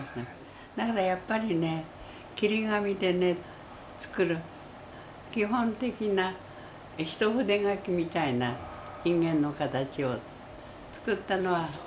だからやっぱりね切り紙で作る基本的な一筆書きみたいな人間の形を作ったのは覚えてます。